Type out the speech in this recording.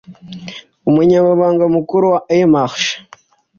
Umunyamabanga Mukuru wa En Marche